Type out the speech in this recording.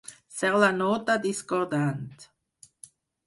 Ser la nota discordant.